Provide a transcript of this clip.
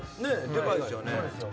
でかいですよね。